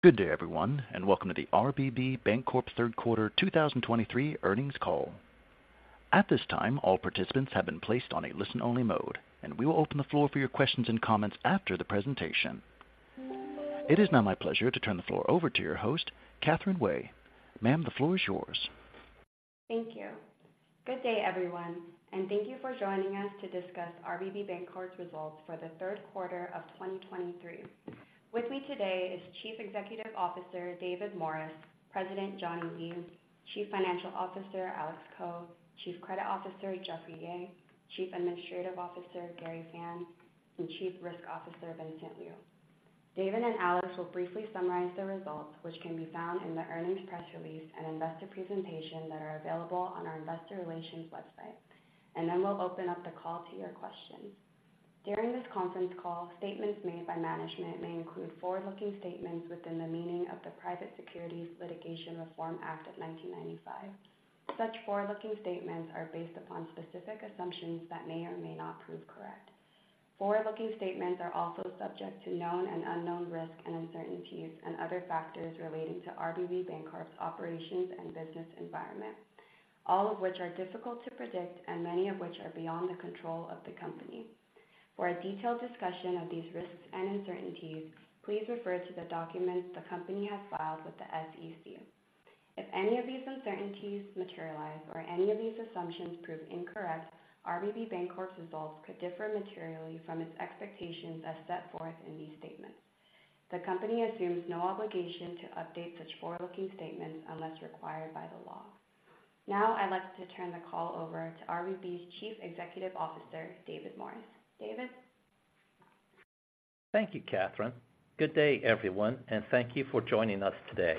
Good day, everyone, and welcome to the RBB Bancorp Third Quarter 2023 Earnings Call. At this time, all participants have been placed on a listen-only mode, and we will open the floor for your questions and comments after the presentation. It is now my pleasure to turn the floor over to your host, Catherine Wei. Ma'am, the floor is yours. Thank you. Good day, everyone, and thank you for joining us to discuss RBB Bancorp's results for the third quarter of 2023. With me today is Chief Executive Officer, David Morris; President, Johnny Lee; Chief Financial Officer, Alex Ko; Chief Credit Officer, Jeffrey Yeh; Chief Administrative Officer, Gary Fan; and Chief Risk Officer, Vincent Liu. David and Alex will briefly summarize the results, which can be found in the earnings press release and investor presentation that are available on our investor relations website, and then we'll open up the call to your questions. During this conference call, statements made by management may include forward-looking statements within the meaning of the Private Securities Litigation Reform Act of 1995. Such forward-looking statements are based upon specific assumptions that may or may not prove correct. Forward-looking statements are also subject to known and unknown risks and uncertainties and other factors relating to RBB Bancorp's operations and business environment, all of which are difficult to predict and many of which are beyond the control of the company. For a detailed discussion of these risks and uncertainties, please refer to the documents the company has filed with the SEC. If any of these uncertainties materialize or any of these assumptions prove incorrect, RBB Bancorp's results could differ materially from its expectations as set forth in these statements. The company assumes no obligation to update such forward-looking statements unless required by the law. Now, I'd like to turn the call over to RBB's Chief Executive Officer, David Morris. David? Thank you, Catherine. Good day, everyone, and thank you for joining us today.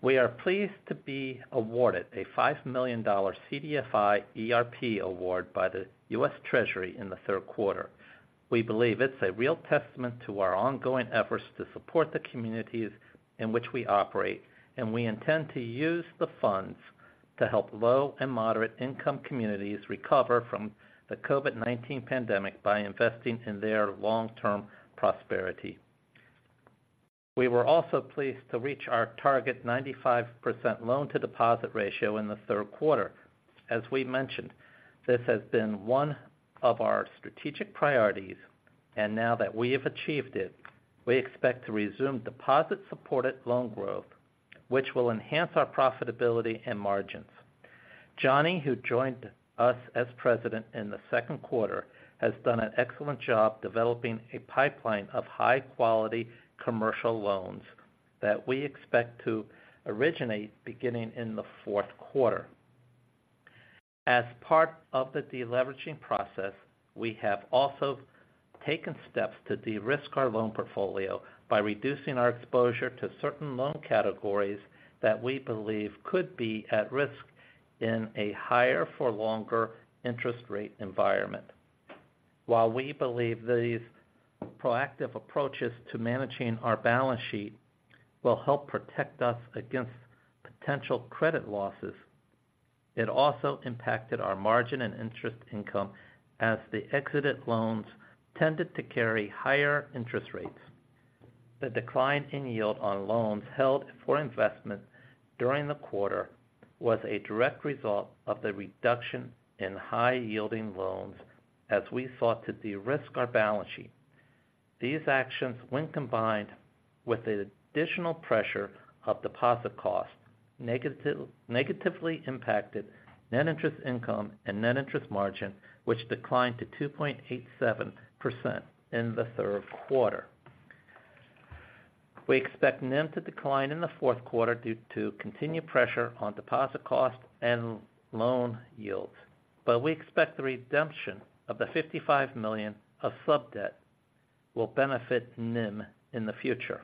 We are pleased to be awarded a $5 million CDFI ERP award by the U.S. Treasury in the third quarter. We believe it's a real testament to our ongoing efforts to support the communities in which we operate, and we intend to use the funds to help low and moderate-income communities recover from the COVID-19 pandemic by investing in their long-term prosperity. We were also pleased to reach our target 95% loan-to-deposit ratio in the third quarter. As we mentioned, this has been one of our strategic priorities, and now that we have achieved it, we expect to resume deposit-supported loan growth, which will enhance our profitability and margins. Johnny, who joined us as president in the second quarter, has done an excellent job developing a pipeline of high-quality commercial loans that we expect to originate beginning in the fourth quarter. As part of the deleveraging process, we have also taken steps to de-risk our loan portfolio by reducing our exposure to certain loan categories that we believe could be at risk in a higher for longer interest rate environment. While we believe these proactive approaches to managing our balance sheet will help protect us against potential credit losses, it also impacted our margin and interest income as the exited loans tended to carry higher interest rates. The decline in yield on loans held for investment during the quarter was a direct result of the reduction in high-yielding loans as we sought to de-risk our balance sheet. These actions, when combined with the additional pressure of deposit costs, negatively impacted net interest income and net interest margin, which declined to 2.87% in the third quarter. We expect NIM to decline in the fourth quarter due to continued pressure on deposit costs and loan yields, but we expect the redemption of the $55 million of sub-debt will benefit NIM in the future.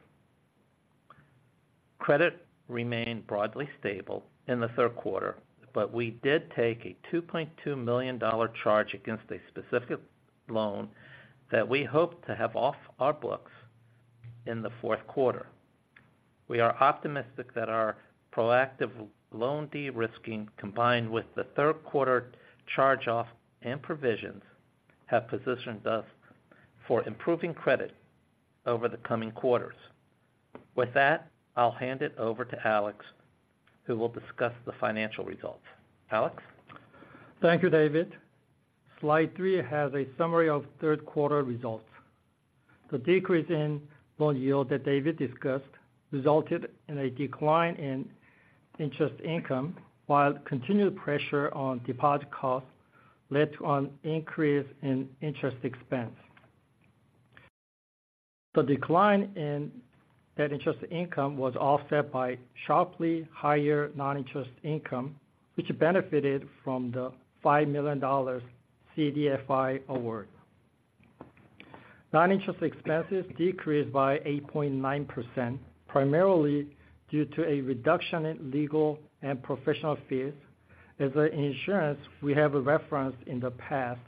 Credit remained broadly stable in the third quarter, but we did take a $2.2 million charge against a specific loan that we hope to have off our books in the fourth quarter. We are optimistic that our proactive loan de-risking, combined with the third quarter charge-off and provisions, have positioned us for improving credit over the coming quarters. With that, I'll hand it over to Alex, who will discuss the financial results. Alex? Thank you, David. Slide 3 has a summary of third quarter results. The decrease in loan yield that David discussed resulted in a decline in interest income, while continued pressure on deposit costs led to an increase in interest expense. The decline in net interest income was offset by sharply higher non-interest income, which benefited from the $5 million CDFI award. Non-interest expenses decreased by 8.9%, primarily due to a reduction in legal and professional fees as the insurance we have referenced in the past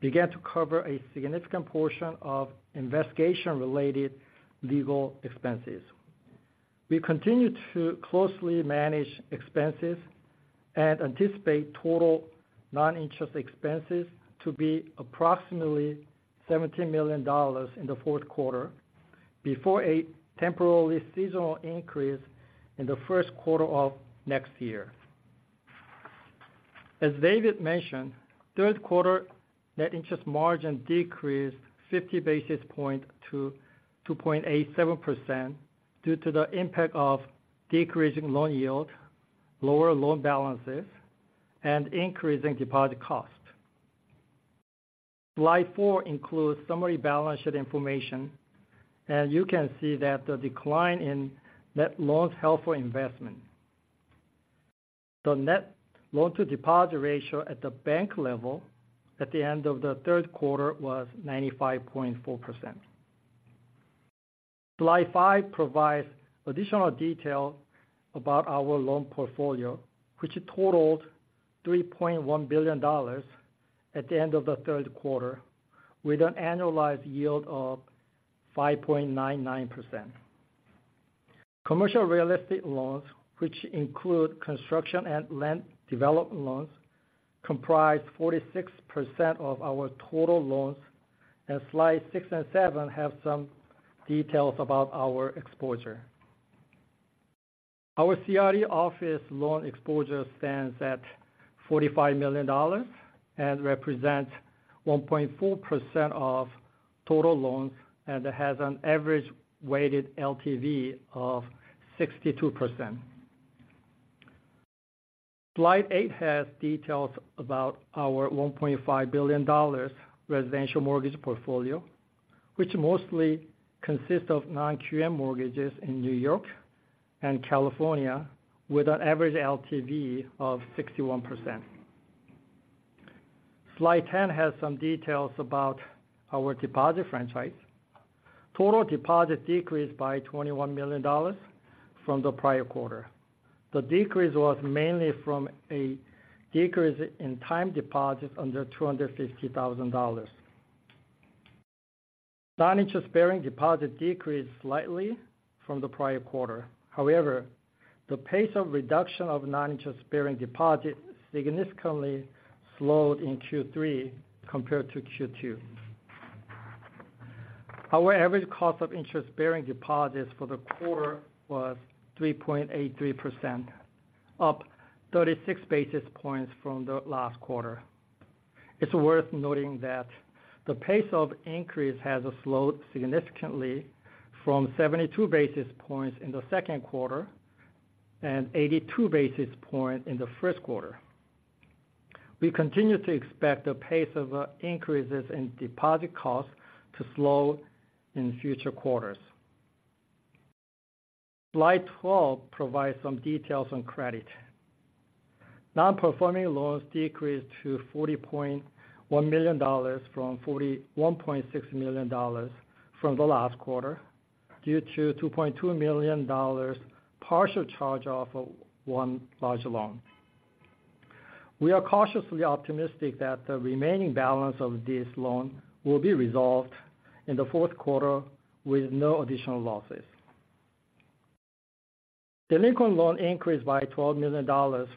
began to cover a significant portion of investigation-related legal expenses. We continue to closely manage expenses and anticipate total non-interest expenses to be approximately $70 million in the fourth quarter, before a temporarily seasonal increase in the first quarter of next year. As David mentioned, third quarter net interest margin decreased 50 basis points to 2.87% due to the impact of decreasing loan yield, lower loan balances, and increasing deposit cost. Slide 4 includes summary balance sheet information, and you can see that the decline in net loans held for investment. The net loan-to-deposit ratio at the bank level at the end of the third quarter was 95.4%. Slide 5 provides additional detail about our loan portfolio, which totaled $3.1 billion at the end of the third quarter, with an annualized yield of 5.99%. Commercial real estate loans, which include construction and land development loans, comprise 46% of our total loans, and Slides 6 and 7 have some details about our exposure. Our CRE office loan exposure stands at $45 million and represents 1.4% of total loans and has an average weighted LTV of 62%. Slide eight has details about our $1.5 billion residential mortgage portfolio, which mostly consists of non-QM mortgages in New York and California, with an average LTV of 61%. Slide ten has some details about our deposit franchise. Total deposits decreased by $21 million from the prior quarter. The decrease was mainly from a decrease in time deposits under $250,000. Non-interest-bearing deposits decreased slightly from the prior quarter. However, the pace of reduction of non-interest-bearing deposits significantly slowed in Q3 compared to Q2. Our average cost of interest-bearing deposits for the quarter was 3.83%, up 36 basis points from the last quarter. It's worth noting that the pace of increase has slowed significantly from 72 basis points in the second quarter and 82 basis point in the first quarter. We continue to expect the pace of increases in deposit costs to slow in future quarters. Slide 12 provides some details on credit. Non-performing loans decreased to $40.1 million from $41.6 million from the last quarter, due to $2.2 million partial charge-off of one large loan. We are cautiously optimistic that the remaining balance of this loan will be resolved in the fourth quarter with no additional losses. Delinquent loan increased by $12 million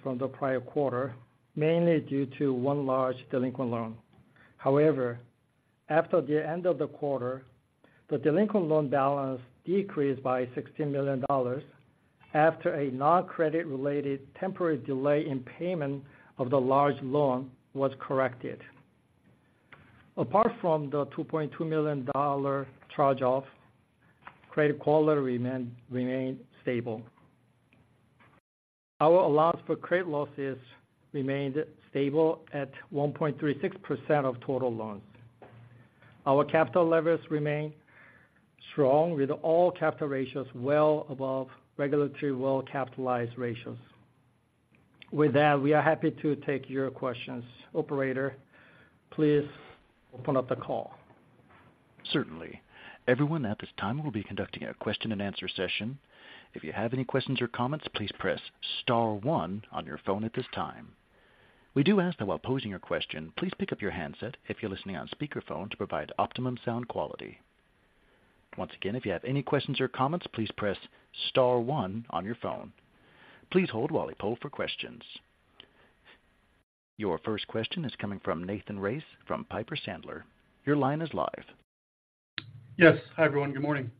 from the prior quarter, mainly due to one large delinquent loan. However, after the end of the quarter, the delinquent loan balance decreased by $16 million after a non-credit related temporary delay in payment of the large loan was corrected. Apart from the $2.2 million charge-off, credit quality remained stable. Our allowance for credit losses remained stable at 1.36% of total loans. Our capital levels remain strong, with all capital ratios well above regulatory well-capitalized ratios. With that, we are happy to take your questions. Operator, please open up the call. Certainly. Everyone, at this time, we'll be conducting a question-and-answer session. If you have any questions or comments, please press star one on your phone at this time. We do ask that while posing your question, please pick up your handset if you're listening on speakerphone to provide optimum sound quality. Once again, if you have any questions or comments, please press star one on your phone. Please hold while we poll for questions. Your first question is coming from Nathan Race from Piper Sandler. Your line is live. Yes. Hi, everyone. Good morning.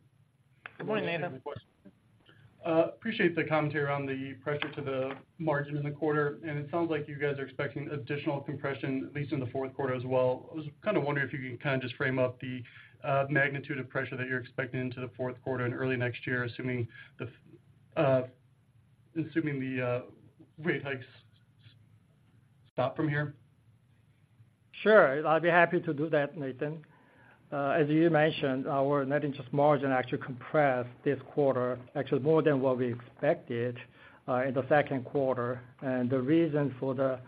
Good morning, Nathan. Appreciate the commentary on the pressure to the margin in the quarter, and it sounds like you guys are expecting additional compression, at least in the fourth quarter as well. I was kind of wondering if you can kind of just frame up the magnitude of pressure that you're expecting into the fourth quarter and early next year, assuming the rate hikes stop from here? Sure, I'd be happy to do that, Nathan. As you mentioned, our net interest margin actually compressed this quarter, actually more than what we expected in the second quarter. And the reason for the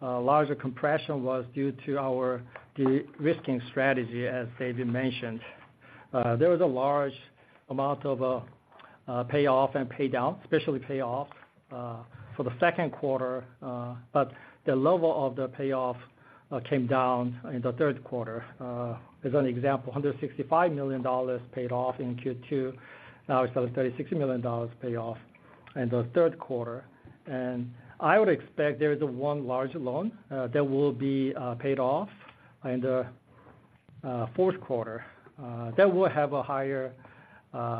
larger compression was due to our de-risking strategy, as David mentioned. There was a large amount of payoff and pay down, especially payoff, for the second quarter. But the level of the payoff came down in the third quarter. As an example, $165 million paid off in Q2. Now we saw $36 million pay off in the third quarter. And I would expect there is one large loan that will be paid off in the fourth quarter. That will have a higher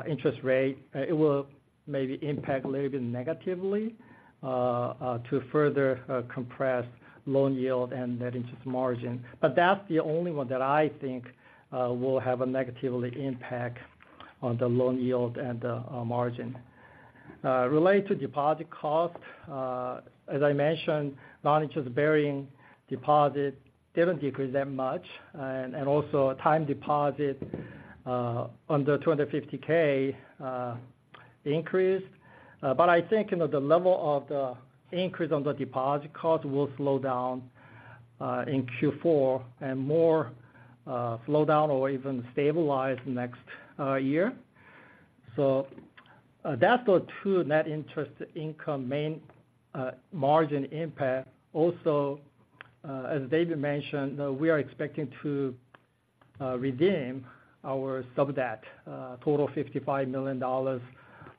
interest rate. It will maybe impact a little bit negatively to further compress loan yield and net interest margin, but that's the only one that I think will have a negatively impact on the loan yield and the margin. Related to deposit cost, as I mentioned, non-interest-bearing deposit didn't decrease that much, and also time deposit under 250K increased. But I think, you know, the level of the increase on the deposit cost will slow down in Q4 and more slow down or even stabilize next year. So that's the two net interest income main margin impact. Also, as David mentioned, we are expecting to redeem our subdebt total $55 million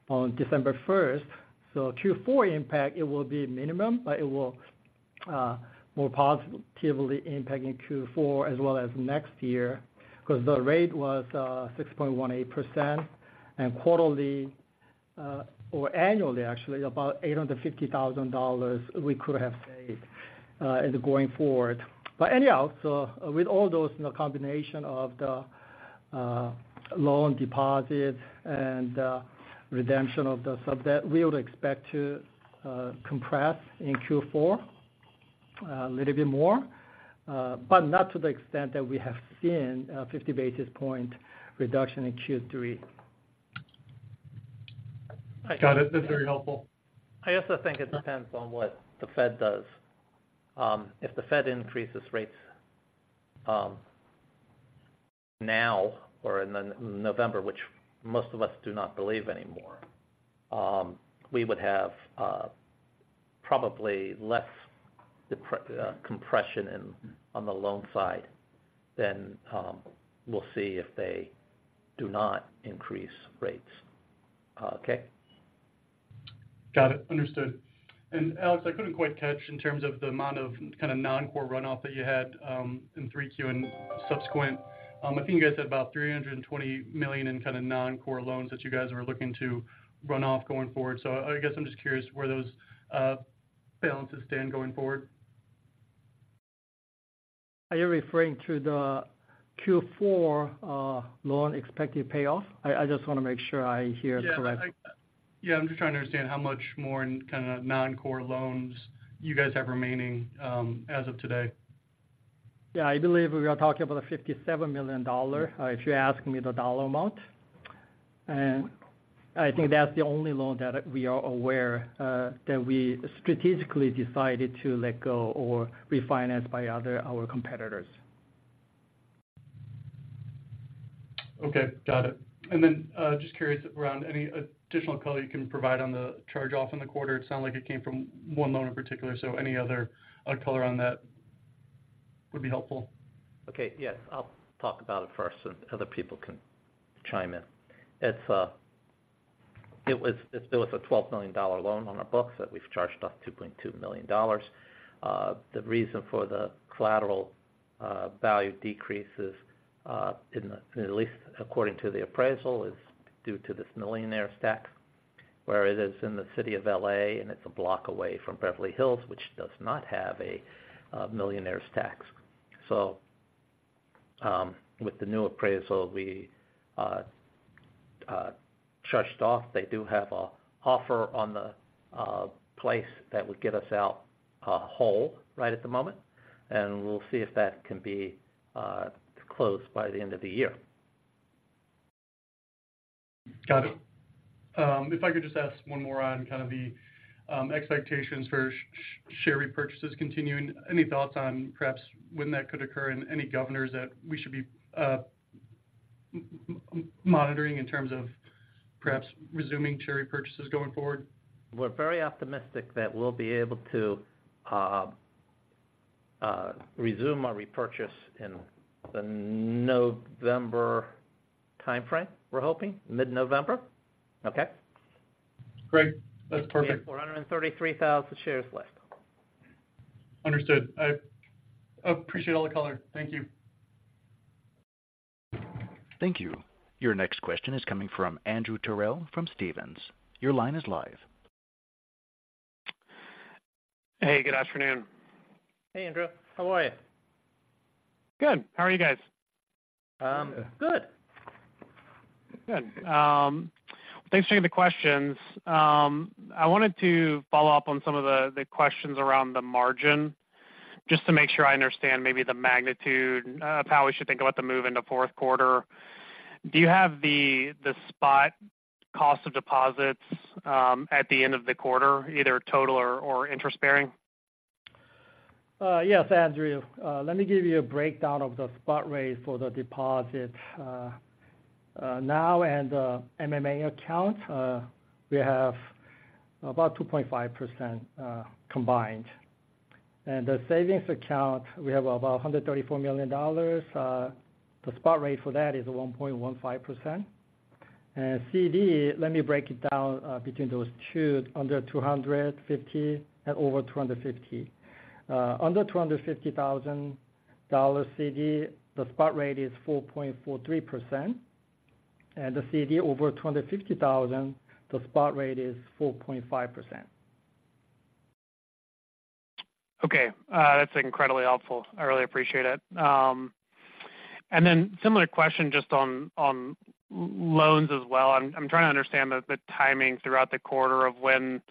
on December first. So Q4 impact, it will be minimum, but it will, more positively impact in Q4 as well as next year, because the rate was, 6.18% and quarterly, or annually, actually, about $850,000 we could have saved, in the going forward. But anyhow, so with all those, in the combination of the, loan deposit and, redemption of the sub-debt, we would expect to, compress in Q4, a little bit more, but not to the extent that we have seen a 50 basis point reduction in Q3. Got it. That's very helpful. I also think it depends on what the Fed does. If the Fed increases rates, now or in the November, which most of us do not believe anymore, we would have, probably less compression in, on the loan side than, we'll see if they do not increase rates. Okay? Got it. Understood. And Alex, I couldn't quite catch in terms of the amount of kind of non-core runoff that you had in 3Q and subsequent. I think you guys had about $320 million in kind of non-core loans that you guys were looking to run off going forward. So I guess I'm just curious where those balances stand going forward. Are you referring to the Q4 loan expected payoff? I just wanna make sure I hear correct. Yeah. Yeah, I'm just trying to understand how much more in kind of non-core loans you guys have remaining, as of today. Yeah, I believe we are talking about a $57 million dollar, if you ask me the dollar amount. And I think that's the only loan that we are aware that we strategically decided to let go or refinance by other, our competitors. Okay, got it. And then, just curious around any additional color you can provide on the charge-off in the quarter. It sounded like it came from one loan in particular, so any other color on that would be helpful. Okay, yes, I'll talk about it first, and other people can chime in. It's, it was, it was a $12 million loan on our books that we've charged off $2.2 million. The reason for the collateral value decreases, at least according to the appraisal, is due to this millionaire's tax, where it is in the city of L.A. and it's a block away from Beverly Hills, which does not have a millionaire's tax. So, with the new appraisal, we charged off. They do have a offer on the place that would get us out whole, right at the moment, and we'll see if that can be closed by the end of the year. Got it. If I could just ask one more on kind of the expectations for share repurchases continuing. Any thoughts on perhaps when that could occur and any governors that we should be monitoring in terms of perhaps resuming share repurchases going forward? We're very optimistic that we'll be able to resume our repurchase in the November timeframe, we're hoping. Mid-November. Okay? Great. That's perfect. We have 433,000 shares left. Understood. I appreciate all the color. Thank you. Thank you. Your next question is coming from Andrew Terrell from Stephens. Your line is live. Hey, good afternoon. Hey, Andrew. How are you? Good. How are you guys? Um, good. Good. Thanks for taking the questions. I wanted to follow up on some of the questions around the margin, just to make sure I understand maybe the magnitude of how we should think about the move into fourth quarter. Do you have the spot cost of deposits at the end of the quarter, either total or interest bearing? Yes, Andrew. Let me give you a breakdown of the spot rates for the deposit now and MMA account. We have about 2.5% combined. And the savings account, we have about $134 million. The spot rate for that is 1.15%. And CD, let me break it down between those two, under 250 and over 250. Under $250,000 CD, the spot rate is 4.43%, and the CD over $250,000, the spot rate is 4.5%. Okay. That's incredibly helpful. I really appreciate it. And then similar question just on loans as well. I'm trying to understand the timing throughout the quarter of when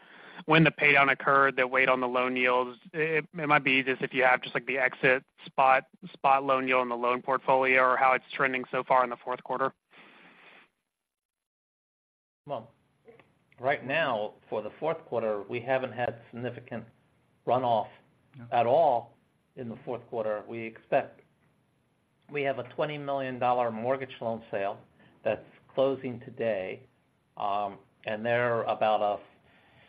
the pay down occurred, the weight on the loan yields. It might be easiest if you have just like the exit spot loan yield on the loan portfolio or how it's trending so far in the fourth quarter. Well, right now, for the fourth quarter, we haven't had significant runoff at all in the fourth quarter. We expect. We have a $20 million mortgage loan sale that's closing today, and they're about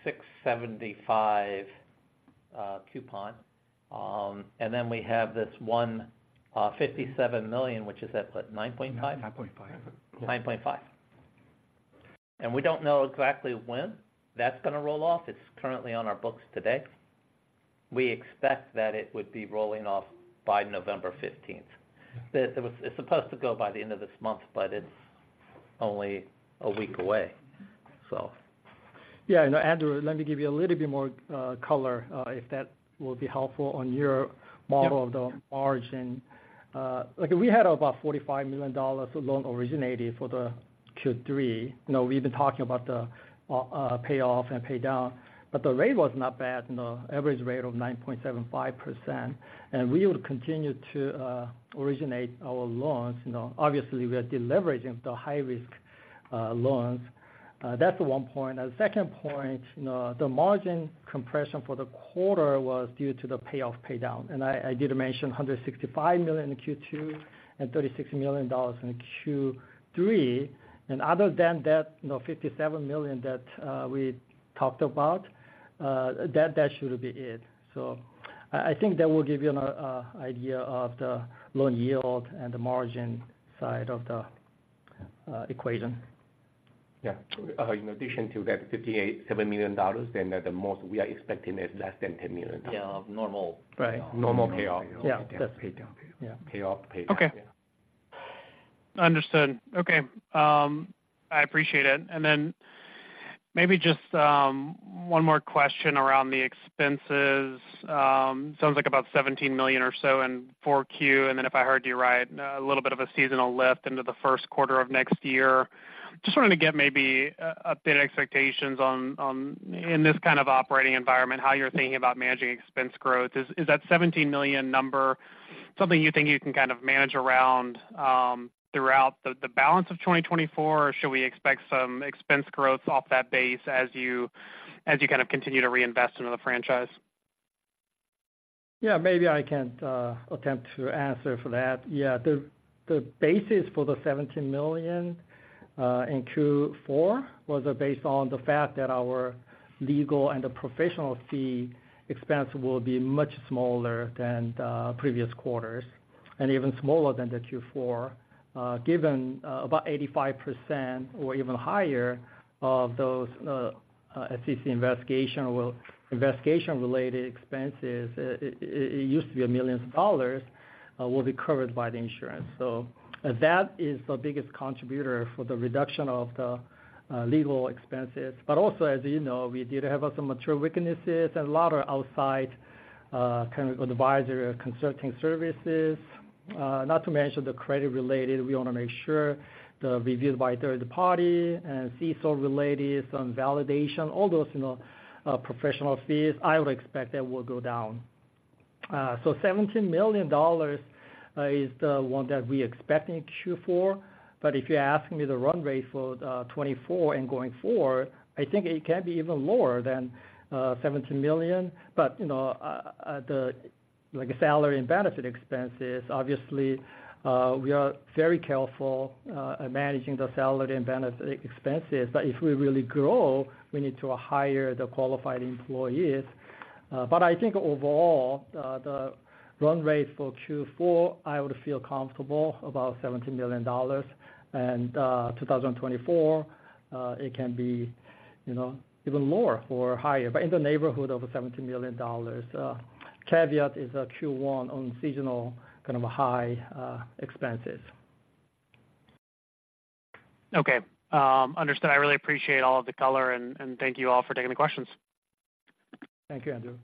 a 6.75% coupon. And then we have this one, fifty-seven million, which is at, what? 9.5%? 9.5%. 9.5%. We don't know exactly when that's gonna roll off. It's currently on our books today. We expect that it would be rolling off by November 15th. It's supposed to go by the end of this month, but it's only a week away, so. Yeah. No, Andrew, let me give you a little bit more color, if that will be helpful on your- Yep. model of the margin. Okay, we had about $45 million of loan originated for the Q3. You know, we've been talking about the payoff and pay down, but the rate was not bad, you know, average rate of 9.75%, and we would continue to originate our loans. You know, obviously, we are deleveraging the high risk loans. That's the one point. And the second point, you know, the margin compression for the quarter was due to the payoff pay down, and I did mention $165 million in Q2 and $36 million in Q3. And other than that, you know, $57 million that we talked about, that should be it. So I think that will give you an idea of the loan yield and the margin side of the equation. Yeah. In addition to that $58.7 million, then the most we are expecting is less than $10 million. Yeah, of normal. Right. Normal payoff. Yeah, that's- Paydown. Yeah. Payoff, paydown. Okay. Understood. Okay, I appreciate it. And then maybe just one more question around the expenses. Sounds like about $17 million or so in 4Q, and then if I heard you right, a little bit of a seasonal lift into the first quarter of next year. Just wanted to get maybe a bit of expectations on, on, in this kind of operating environment, how you're thinking about managing expense growth. Is that $17 million number something you think you can kind of manage around throughout the balance of 2024? Or should we expect some expense growth off that base as you, as you kind of continue to reinvest into the franchise? Yeah, maybe I can attempt to answer for that. Yeah, the basis for the $17 million in Q4 was based on the fact that our legal and professional fee expense will be much smaller than the previous quarters and even smaller than the Q4. Given about 85% or even higher of those SEC investigation or investigation-related expenses, it used to be millions of dollars will be covered by the insurance. So that is the biggest contributor for the reduction of the legal expenses. But also, as you know, we did have some material weaknesses and a lot of outside kind of advisory or consulting services, not to mention the credit related. We wanna make sure the review by third party and CECL related, some validation, all those, you know, professional fees, I would expect that will go down. So $17 million is the one that we expect in Q4, but if you're asking me the run rate for the 2024 and going forward, I think it can be even lower than $17 million. But, you know, the, like, salary and benefit expenses, obviously, we are very careful at managing the salary and benefit expenses, but if we really grow, we need to hire the qualified employees. But I think overall, the run rate for Q4, I would feel comfortable about $17 million. And, 2024, it can be, you know, even more or higher, but in the neighborhood of $17 million. Caveat is, Q1 on seasonal, kind of a high, expenses. Okay, understood. I really appreciate all of the color and thank you all for taking the questions. Thank you, Andrew.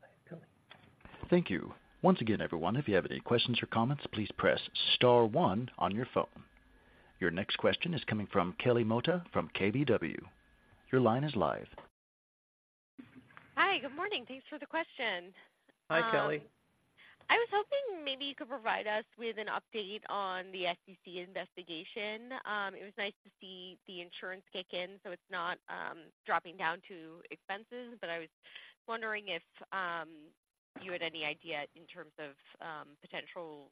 Thank you. Thank you. Once again, everyone, if you have any questions or comments, please press star one on your phone. Your next question is coming from Kelly Motta from KBW. Your line is live. Hi, good morning. Thanks for the question. Hi, Kelly. I was hoping maybe you could provide us with an update on the FCC investigation. It was nice to see the insurance kick in, so it's not dropping down to expenses. But I was wondering if you had any idea in terms of potential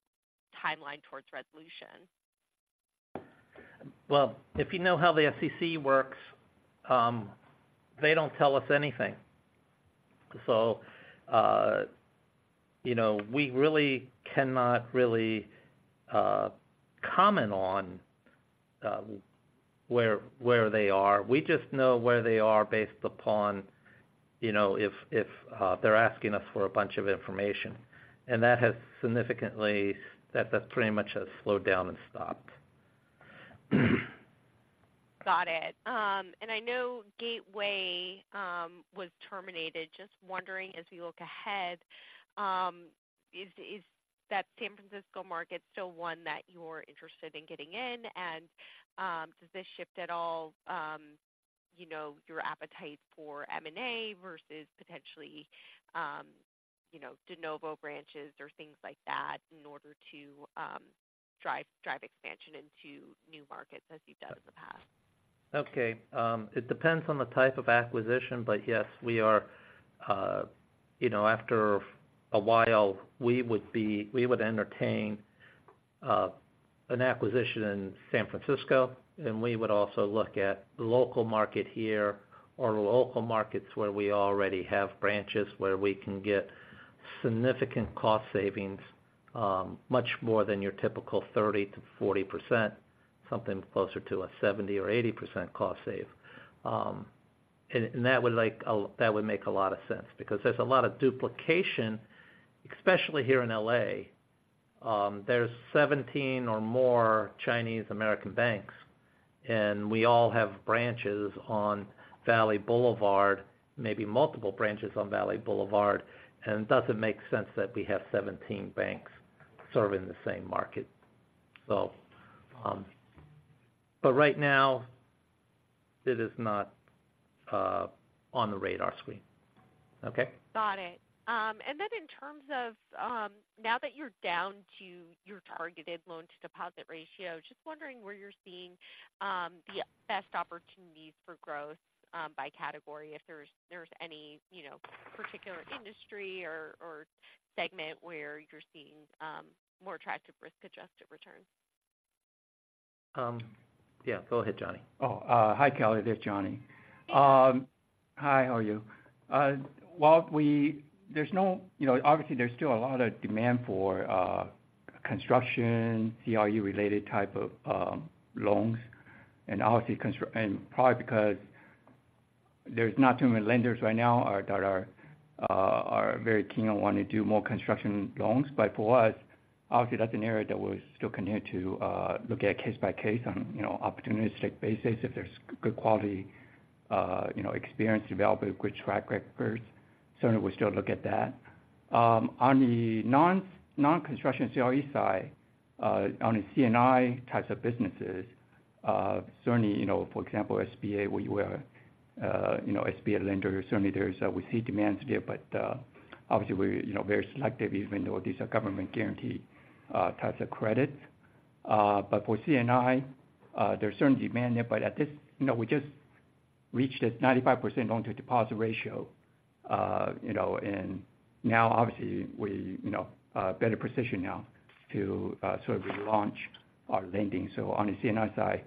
timeline towards resolution? Well, if you know how the FCC works, they don't tell us anything. So, you know, we really cannot really comment on where they are. We just know where they are based upon, you know, if they're asking us for a bunch of information, and that has significantly slowed down and stopped. Got it. And I know Gateway was terminated. Just wondering as we look ahead, is that San Francisco market still one that you're interested in getting in? And, does this shift at all, you know, your appetite for M&A versus potentially, you know, de novo branches or things like that in order to drive expansion into new markets as you've done in the past? Okay. It depends on the type of acquisition, but yes, we are, you know, after a while, we would be-- we would entertain an acquisition in San Francisco, and we would also look at local market here or local markets where we already have branches, where we can get significant cost savings, much more than your typical 30%-40%, something closer to a 70% or 80% cost save. And, and that would-- that would make a lot of sense because there's a lot of duplication, especially here in L.A. There's 17 or more Chinese American banks, and we all have branches on Valley Boulevard, maybe multiple branches on Valley Boulevard. And it doesn't make sense that we have 17 banks serving the same market. So But right now, it is not on the radar screen. Okay? Got it. And then in terms of, now that you're down to your targeted loan-to-deposit ratio, just wondering where you're seeing the best opportunities for growth, by category, if there's any, you know, particular industry or segment where you're seeing more attractive risk-adjusted returns? Yeah, go ahead, Johnny. Oh, hi, Kelly. This is Johnny. Hi, how are you? You know, obviously there's still a lot of demand for construction, CRE-related type of loans, and obviously and probably because there's not too many lenders right now that are very keen on wanting to do more construction loans. But for us, obviously, that's an area that we'll still continue to look at case by case on, you know, opportunistic basis. If there's good quality, you know, experienced developer with good track records, certainly we'll still look at that. On the non-construction CRE side, on the C&I types of businesses, certainly, you know, for example, SBA, where you are, you know, SBA lender, certainly there's, we see demands there. Obviously we're, you know, very selective even though these are government guarantee types of credit. For C&I, there's certain demand there, but at this point, you know, we just reached this 95% loan-to-deposit ratio, you know, and now obviously we, you know, better position now to sort of relaunch our lending. On the C&I side,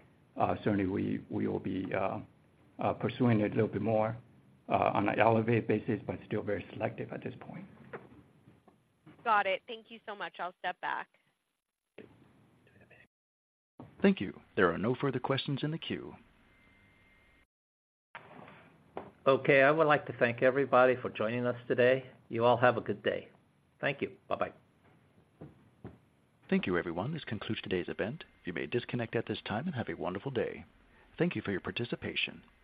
certainly we will be pursuing it a little bit more on an elevated basis, but still very selective at this point. Got it. Thank you so much. I'll step back. Thank you. There are no further questions in the queue. Okay. I would like to thank everybody for joining us today. You all have a good day. Thank you. Bye-bye. Thank you, everyone. This concludes today's event. You may disconnect at this time and have a wonderful day. Thank you for your participation.